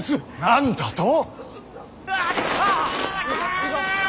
何だと。